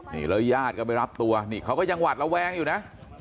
นี่แล้วญาติก็ไปรับตัวนี่เขาก็ยังหวัดระแวงอยู่นะ